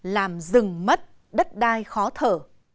làm rừng mất đất đai khó thở